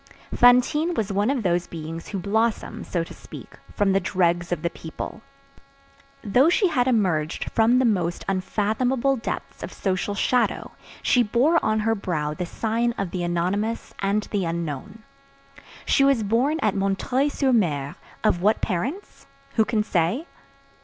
Fantine was one of those beings who blossom, so to speak, from the dregs of the people. Though she had emerged from the most unfathomable depths of social shadow, she bore on her brow the sign of the anonymous and the unknown. She was born at M. sur M. Of what parents? Who can say?